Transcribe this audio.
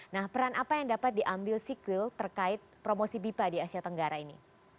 nah peran apa yang dapat diambil sikwil terkait promosi bipa di asia tenggara ini